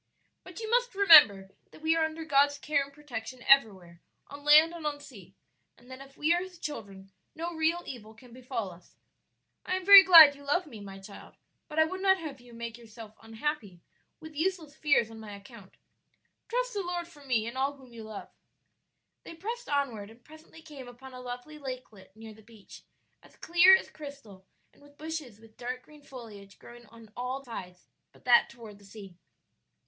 "But you must remember that we are under God's care and protection everywhere, on land and on sea; and that if we are His children no real evil can befall us. I am very glad you love me, my child, but I would not have you make yourself unhappy with useless fears on my account. Trust the Lord for me and all whom you love." They pressed onward and presently came upon a lovely lakelet near the beach, as clear as crystal and with bushes with dark green foliage growing on all sides but that toward the sea.